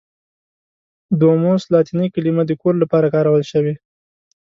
دوموس لاتیني کلمه د کور لپاره کارول شوې.